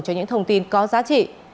cho những thông tin có giá trị